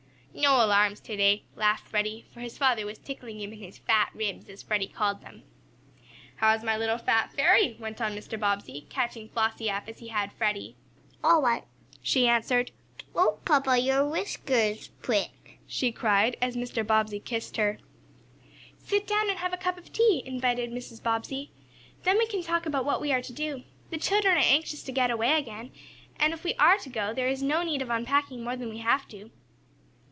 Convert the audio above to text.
"No alarms to day," laughed Freddie, for his father was tickling him in his "fat ribs," as Freddie called them. "How's my little fat fairy?" went on Mr. Bobbsey, catching Flossie up as he had Freddie. "All right." she answered. "Oh, papa, your whiskers prick!" she cried, as Mr. Bobbsey kissed her. "Sit down and have a cup of tea," invited Mrs. Bobbsey. "Then we can talk about what we are to do. The children are anxious to get away again, and if we are to go there is no need of unpacking more than we have to."